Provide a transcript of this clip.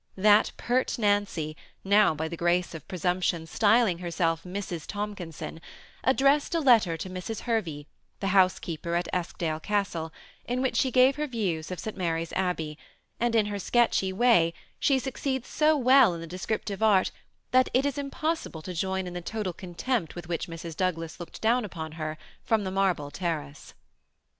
That pert Nancy, now by the grace of presumption styling herself Mrs. Tomkinson, addressed a letter to Mrs. Hervey, the housekeeper at Eskdale Castle, in which she gave her views of St. Mary's Abbey, and in her sketchy way she succeeds so well in the descriptive art, that it is impossible to join in the total contempt with which Mrs. Douglas looked down upon her from the marble terrace.